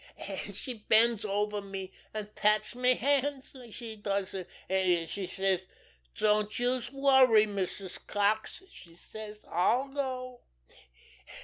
An' she bends over me, an' pats me hands, she does, an' she says: 'Don't youse worry, Mrs. Cox,' she says. 'I'll go.